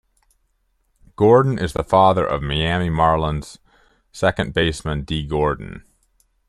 Gordon is the father of Miami Marlins second baseman Dee Gordon.